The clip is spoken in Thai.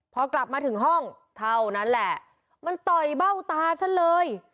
พอกลับมาถึงห้องเท่านั้นแหละมันต่อยเบ้าตาฉันเลย